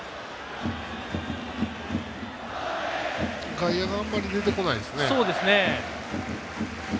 外野があまり出てこないですね。